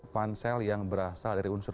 pansel yang berasal dari unsur